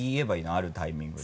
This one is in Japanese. あるタイミングで。